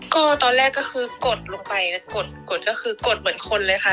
ก็ตอนแรกก็คือกดลงไปกดก็คือกดเหมือนคนเลยค่ะ